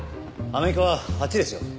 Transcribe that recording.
アメリカはあっちですよ。